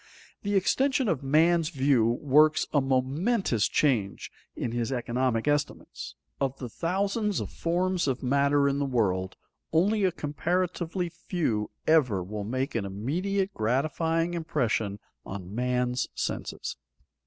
The extension of man's view works a momentous change in his economic estimates. Of the thousands of forms of matter in the world, only a comparatively few ever will make an immediate gratifying impression on man's senses.